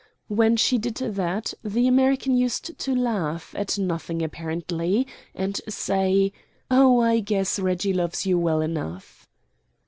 When she did that the American used to laugh, at nothing apparently, and say, "Oh, I guess Reggie loves you well enough."